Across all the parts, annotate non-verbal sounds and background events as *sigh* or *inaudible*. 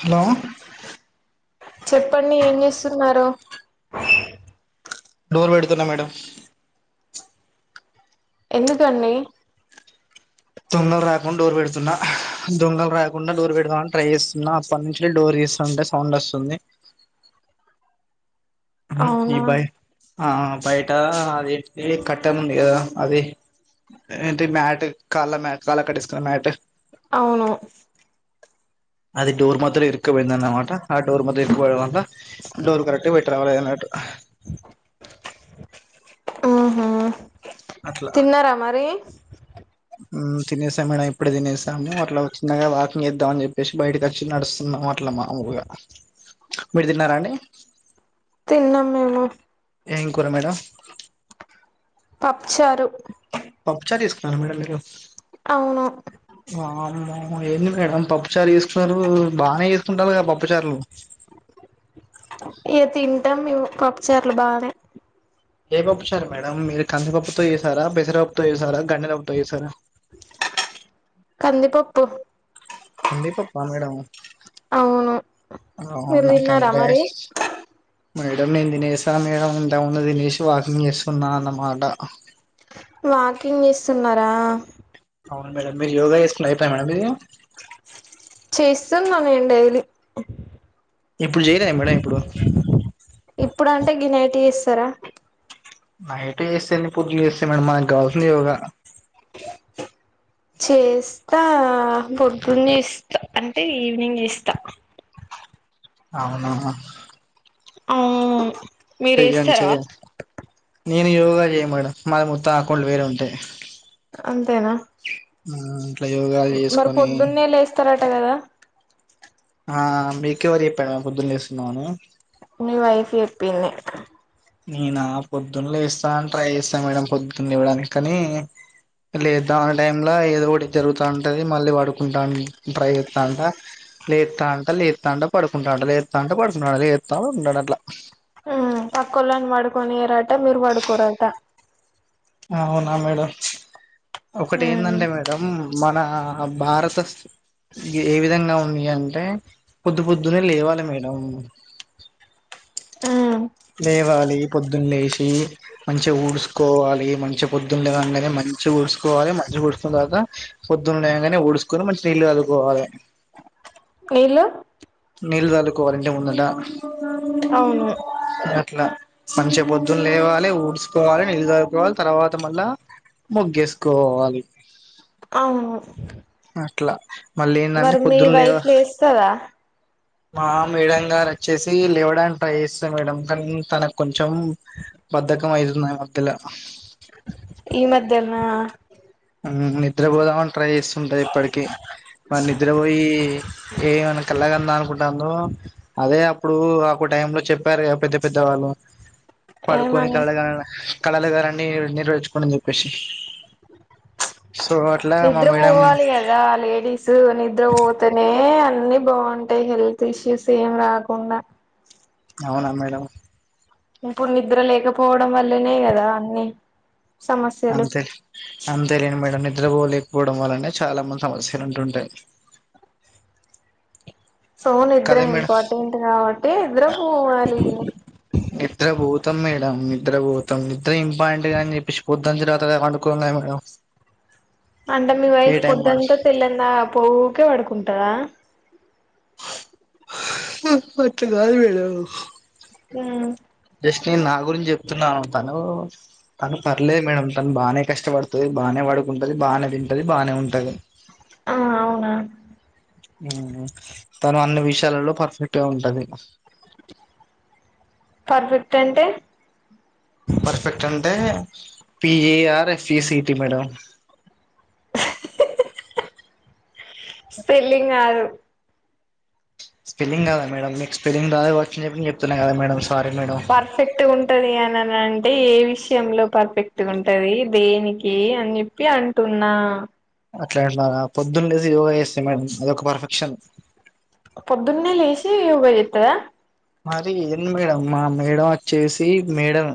Hello చెప్పండి ఏం చేసున్నారు డోర్ పెడుతున్నా మేడం ఎందుకండి దొంగల్ రాకుండ్ డోర్ పెడుతున్నా దొంగల్ రాకుండ డోర్ పెడతామ్ ట్రై చేస్తున్న అపలుంచి డోర్ తీస్ తుంటె సౌండోస్తుంది ఉమ్ ఈ అవునా బై ఆ బైట్ ట్ట అద్ ఏట్ ది కట్టముంది కదా అది ఏంటి మ్యాట్ కాళ్ళ మ్యాట్స్ కాల కడెసుకునే మ్యాటు అవును అది డోర్ మధ్యల ఇరుక్కపోయిందన్న మాట ఆ డోర్ మధ్య ఇరుక్ పోయిడం వల్ల డోర్ కరెక్ట్ పెట్ట రాలే దన్నట్టు ఊహు తిన్నారా మరీ ఊ తినేసాం మేడం ఇప్పుడె తినేసాము అట్ల చిన్నగ వాకింగ్ చేద్దాం చెప్పేసి బయటకి వచ్చి నడుస్తున్నాం అట్ల మామూల్గ మీర్ తిన్నారా అండి తిన్నాం మేము ఏం కూర మేడం పప్పు చారు పప్పుచారు చేస్కున్నారా మేడం మీరు అవును అమ్మో ఏంది మేడం పప్పుచార్ చేస్ కున్నరు బానె చేసుకుంటారు కద పప్పుచార్లు ఏ తిన్ తమ్ మేము పప్పుచార్లు బానే ఏ పప్పు శారు మేడం మీరు కంది పప్పుతొ చేసారా పెసరప్పుతొ చేసారా గండినాప్పుతొ చేసారా కంది పప్పు కందీపప్పా మేడం అవును అవ్ మీరు న తిన్నారా మరి కంగ్రాట్స్ మేడం నేను తినేసాను మేడం ఇంతకుముందే తినేసి వాకింగ్ చేస్తున్న అన్నమాట వాకింగ్ చేస్తున్నారా అవును మేడం మీరు యోగా చేసుకునే అయిపయి మేడం మీది చేస్తున్నా నేను డైలీ ఇప్పుడు చేయలే మేడం ఇప్పుడు ఇప్పుడు అంటే గినైటి ఎస్తారా నైట్ చేస్తే ఏంది పొద్దు చేస్తే మేడం మానక్ కావాల్సింది యోగా చేస్తా అ పొద్దున్నే ఎస్తా అంటే ఈవినింగ్ చేస్తా అవునా ఆవ్ *unintelligible* మీరు చెయ్యండి చేస్తారా చెయ్యండి నేను యోగా చేయ మేడం మాది మొత్తం అకౌంట్లు వేరె ఉంటాయి అంతేనా ఆ ఇట్లా యోగాలు చేసుకొని అట్ట *unintelligible* కదా ఆ మీకు ఎవ్వరు చెప్పడ్ మ్యామ్ పొద్దున్ లేస్తున్నామని నీ వైఫ్ చెప్పింది నేనా పొద్దున్న లేస్తాన్ ట్రై చేస్తాను మేడం పొద్దున్ లెవ్వడానికి కానీ లేద్దా మన్న టైమ్ ల ఏదో ఒకటి జరుగుత ఉంటది మళ్ళీ పడుకుంటాన్ ట్రై చేస్తావుంటా లేత అంట అంట లేత అంట పడుకుంటాంట లేత అంట పడుకుంటాడు లేత పడుకుంటాడు అట్లా కొనియరట మీరు పడుకోరంట ఆ అవునా మేడం ఒకటి ఉమ్ ఏందంటే మేడం మన ఆ భారత శ్రీ ఏ విధంగా ఉంది అంటే పొద్దు పొద్దునే లేవాలి మేడం ఆం లేవాలి పొద్దున్న లేచి మంచిగా ఊడ్చుకోవాలి మంచి పొద్దున్న లేగానే మంచిగా ఊడ్చుకోవాలి మంచిగా ఊడుసుకున్న తర్వాత పొద్దున్న లేగానే ఊడుసుకొని మంచి నీళ్ళు చల్లుకోవాలె నీళ్లు నీళ్లు చల్లుకోవాలంటే ఇంటి ముందట అవును అట్లా మంచిగా పొద్దున లేవాలె ఊ ఊడ్చుకోవాలె నీళ్లు చల్లుకోవాలె తర్వాత మళ్ళా మొగ్గేసుకోవాలి అవును అట్లా మళ్ళీ ఏందంటే మరి మీ పొద్దున్న లేవ వైఫ్ లేస్తద మా మేడం గారు వచ్చేసి లేవడానికి ట్రై చేస్తాది మేడం కానీ తనకు కొంచెం బద్ధకం అవుతుంది మధ్యల ఈ మధ్యన నిద్ర పోధమనుకున్నా ట్రై చేస్తూ ఉంటాది ఎప్పటికీ మరి నిద్ర పోయి ఏమన్నా కళగన్న అనుకుంటుందో అదే అప్పుడు ఒక టైమ్ లో చెప్పారు పెద్ద పెద్ద వాళ్ళు పడుకోని ఏమని కళ్ళలు కన్నడం కళలు కనండి నేర్చుకోమని చెప్పేసి సో అట్లా మా నిద్ర మేడం పోవాలి కదా లేడీస్ నిద్ర పోతేనే అ అన్నీ బాగుంటాయి హెల్త్ ఇష్యూస్ ఏం రాకుండా అవునా మేడం ఇప్పుడు నిద్ర లేకపోవడం వల్లనే కదా అన్ని సమస్యలు అంతే అంతేలేంది మేడం నిద్ర పోలేకపోవడం వల్లనే చాలా మంది సమస్యలు ఉంటుంటాయి సో నిద్ర కదే మేడం ఇంపార్టెంట్ కాబట్టి నిద్ర పోవాలి నిద్ర పోతాం మేడం నిద్ర పోతాం నిద్ర ఇంపార్టెంట్గా అని చెప్పించిపోద్దుని తరువాత పండుకోలేం కదా అంటే మీ ఏ వైఫ్ టైం మనం పొద్దంతా తె ఇల్ంద పో ఒకఖే పడుకుంటాద అట్లా కాదు మేడం హ జస్ట్ నేను నా గురించి చెప్తున్నాను తను తను పర్లేదు మేడం తను బాగానే కష్టపడుతుంది బాగానే పడుకుంటది బాగానే తింటది బాగానే ఉంటది ఆ అవునా తను అన్ని విషయాలలో పర్ఫెక్ట్ గా ఉంటది పర్ఫెక్ట్ అంటే పర్ఫెక్ట్ అంటే P A R F E C T madam spelling కాదు స్పెలింగ్ కదా మేడం మీకు స్పెలింగ్ రాదా వర్క్న్ చెప్పి చెప్తున్నాను కదా మేడం సారీ మేడం పర్ఫెక్ట్ ఉంటది అనిని అంటే ఏవి విషయంలో పర్ఫెక్ట్గా ఉంటది దేనికి అని చెప్పి అంటున్నా అట్లాగా పొద్దున్ లేసి యోగా చేస్తే మేడం అదక పర్ఫెక్షన్ పొద్దున్నే లేసి యోగ జెత్తద మరి ఏంది మేడం మా మేడం వచ్చేసి మేడం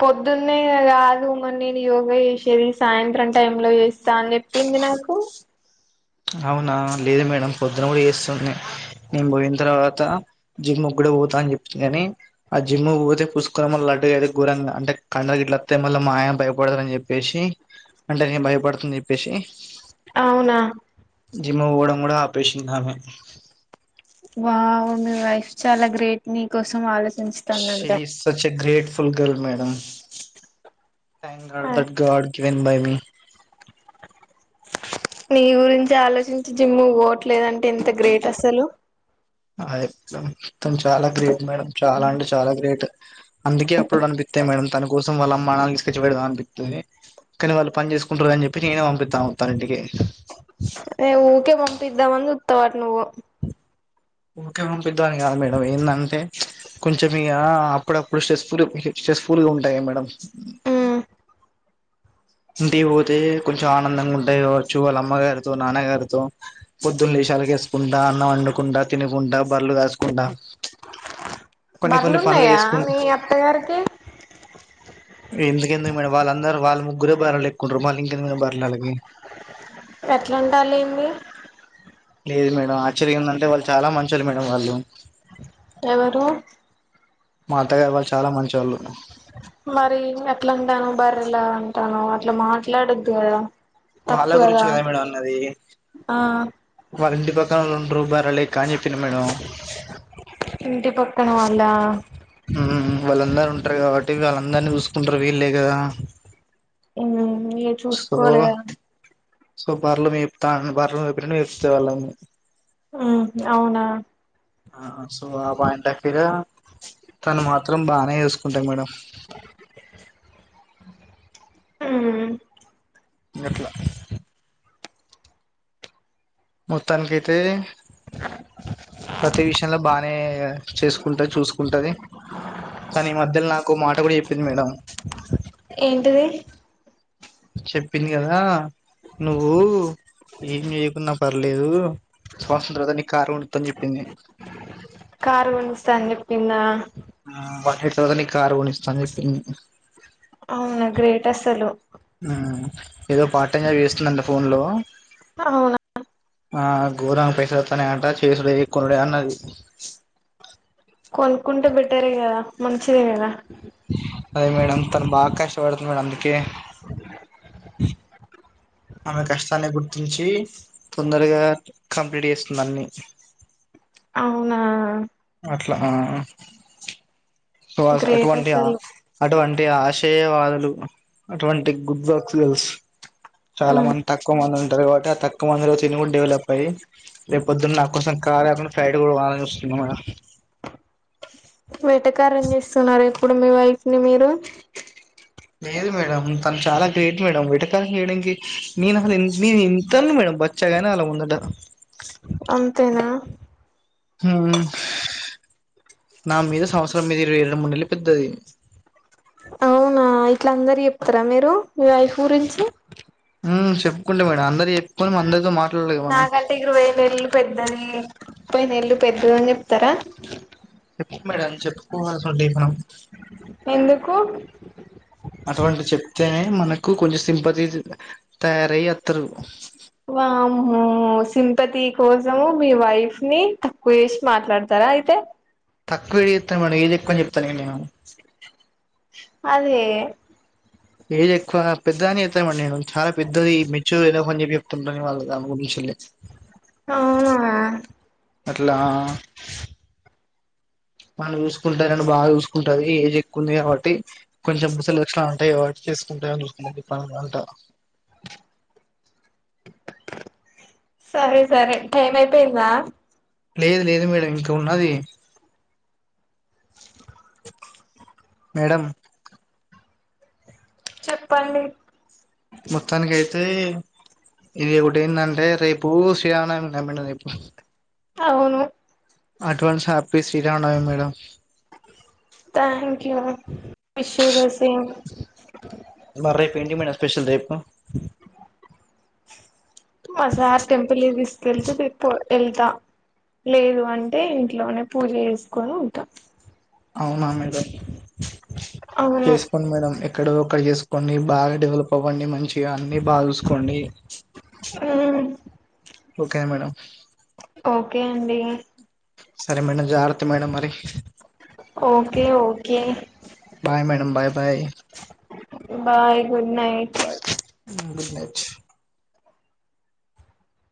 పొద్దున్నే గాదు మని నేను యోగ చేసేది సాయంత్రం టైమ్ లో చేస్తా అని జెప్ పింది నాకు అవునా లేదు మేడం పొద్దున గుడా ఏస్తుంది మేము పోయిన తర్వాత జిమ్ గుడా పోతా అని చెప్పింది కాని ఆ జిమ్ పోతే పుసుకొని మళ్ళీ లడ్డు అయితే ఘరంగా అంటే కండ గిట్లాస్తా మళ్ళీ మాయా భయపడతారుని చెప్పేసి అంటే నేను భయపడుతా అని చెప్పేసి అవునా జిమ్ముకు పోవడం గూడా ఆపేసింది ఆమే వావ్ మీ వైఫ్ చాలా గ్రేట్ నీకోసం ఆలోచ she is such a grateful girl madam time god the guard when by me నీ గురించి ఆలోచించి జిమ్ము పోవట్లేదుంటే ఎంత గ్రేట్ అసలు ఆ యత్త మొత్తం చాలా గ్రేట్ మేడం చాలా అండి చాలా గ్రేట్ అందుకే అప్పుడు అనిపిత్తాయి మేడం తనకు కోసం వాళ్ళ అమ్మానాన్న తీసుకొచ్చి పెడదాం అనిపిత్తుంది కానీ వాళ్ళు పని చేసుకుంటారు అని చెప్పి నేనే పంపిత్తాను మా అత్తమ్మ ను ఇంటికి నే ఊకే పంపిద్దాం అని చూ తోట్ నువ్వు ఊకే పంపిద్దాం అని కాదు మేడం ఏందంటే కొంచెం ఇగ అప్పుడప్పుడు స్ట్రెస్ పూర్ స్ట్రెస్ఫూర్గా ఉంటాయి మేడం ఇంటికి వోతే కొంచెం ఆనందంగా ఉంటాయి కావచ్చు వాళ్ళ అమ్మ గారితో నాన్నగారితో పొద్దున్న లేషి అలికేసుకుంటా అన్నం వండుకుండా తినుకుంటా బర్రెలు గాసుకుంటా కొన్ని కొన్ని పండ్లు బర్లున్నాయా ఎసుకుంట మీ అత్తగారికి ఎందుకు ఎందుకు మేడం వాళ్ళందరు వాళ్ళ ము *unintelligible* మరి ఇంకెందుకు బర్రెలు వాళ్లకి ఎట్లా అంటాలి ఏంది లేదు మేడం ఆశ్చర్యం ఏందంటే వాళ్ళు చాలా మంచొళ్ళు మేడం వాళ్ళు ఎవరు మా అత్తగారు వర్స మరి. ఇంగ అట్లా అంటన్నావ్ బర్రిలా అంటాన్నావ్ అట్లా మాట్లాడద్దు గదా వాళ్ళ గురించి కదు మేడం అన్నది ఆ వాళ్ళ ఇంటి పక్కనొళ్త రూ బర్రె లెక్క అని చెప్పింది మేడం ఇంటి పక్కన వాల్ళా ఉ వాళ్ళందరు ఉంటారు కాబట్టి వాళ్ళందరినీ చూసుకుంటారు వీళ్లే గదా ఉ మీరె చూసుకోవాలి గా సో బర్లు మేపుతా ఉంది బర్లు ని మేపినట్టు మేపుతా ఉంది వాళ్ళని ఉ అవునా సో ఆ పాయింట్ *unintelligible* తను మాత్రం బానే చసుకుంటాది మేడం హ్మ్ ఎట్లా మొత్తానినికైతే ప్రతి విషయంలో బానే చేసుకుంటది చూసుకుంటది కానీ ఈ మధ్యలో నాకు మాట కూడా చెప్పింది మేడం ఏంటిది చెప్పింది కదా నువ్వు ఏం చేయకున్నా పర్లేదు స్వతంత్రత నీ కారం వండుత అని చెప్పింది కారు కొనిస్తా అన్ చెప్పిందా *inaudible* కారు కొనిస్తా అన్ చెప్పింది అవునా గ్రేట్ అసలు ఏదో పార్టైంగా చేస్తుందంట ఫోన్ లో ఆ అవునా ఆ గోరంగ పైస వస్తానే అంట చేసుడ కొనుడ అన్నది కొనుకుంటా బెటర్ కదా మంచిదే కదా అదే మేడం తను బాగా కష్టపడుతుంది మేడం అందుకే ఆమె కష్టాన్ని గుర్తించి తొందరగా కంప్లీట్ చేస్తుంది అన్ని అవునా అట్లా సో గ్రేట్ అటువంటి అసలు అటువంటి అ ఆశయవాదులు అటువంటి గుడ్ బక్ల్స్ చాలా ఉమ్ మంది తక్కువ మన తరవాత తక్కు మందిలో తినిని డెవలప్ అయ్యి లేక పొద్దున్న నా కోసం కారకుడా ఫైడ్ కూడా వాని వస్తున్నా మేడ వెటకారం చేస్తున్నారు ఎప్పుడు మీ వైఫ్ ని మీరు లేదు మేడం తను చాలా గ్రేట్ మేడం వెటకాల చేయడానికి నేను అసలు నేను ఇంతని మేడం బచ్చాగానే అలా ఉందట అంతేనా హ నా మీద సంవత్సరం మీద ఇరవై ఏడు మూ నెలు పెద్దది అవునా ఇట్లా అందరు చెప్తారా మీరు మీ వైఫ్ గురించి చెప్పుకుంటే మేడం అందరు చెప్పుకొని అందరితో మా నా కంటికి ఇం రెండేళ్ల పెద్దది ముప్పై ఏళ్లు పెద్ద అని చెప్తారా చెప్తే మేడం చెప్పుకోవాల్సి ఉంటే మనం కు అటువంటి చెప్తేనే మనకు కొంచెం సింపతి తయారయి వత్తరు వామ్మో సి సింపతి కోసము మీ వైఫ్ ని తక్కువ చేసి మాట్లాడతారా అయితే తక్కువ వేడి ఇస్తాను మ ఏది ఎక్కువని చెప్తాను న నేను అదే ఏజ్ ఎక్కువ పెద్దదని చెతానమండి నేను చాలా పెద్దది మెచ్యూర్ ఏదో అని చెప్ప చెప్తుంటాని వాళ్ళు దాని గురించి వెళ్ళి ఆవునా అట్లా మనం చూసుకుంటారని బాగా చూసుకుంటారు ఏజ్ ఎక్కువ ఉంది కాబట్టి కొంచెం బుసలక్ష అంటే వా చేసుకుంటా పంట సరే సరే టైమ్ అయిపోయిందా లేదు లేదు మేడం ఇంకా ఉన్నది మేడమ్ చెప్పండి మొత్తానికై తే ఇది ఇప్పుడెందంటే రేపు శ్రీరామనవమి *unintelligible* రేపు అవును advance happy Sri Rama Navami madam thank you wish you the same ఇవాళ రేపు ఏంటి మేడం స్పెషల్ రేపు అ మా సార్ టెంపుల్ కి తీసుకెళ్తే రేపు వెళ్తా లేదు అంటే ఇంట్లోనే పూజ చేసుకొని ఉంటా అవునా మేడమ్ అవును చేసుకోండి మేడం ఎక్కడో అక్కడ చేసుకోండి బాగా డెవలప్ అవ్వండి మంచిగా అన్ని బాగా చూస్ చూడండి ఓకే మేడమ్ ఓకే అండి సరే మేడం జాగ్రత్త మేడమ్ మరి okay okay bye madam bye bye bye good night good night